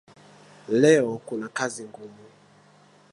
Leo kuna kazi ngumu